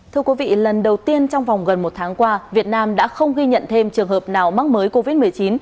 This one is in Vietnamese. thưa quý vị lần đầu tiên trong vòng gần một tháng qua việt nam đã không ghi nhận thêm trường hợp nào mắc mới covid một mươi chín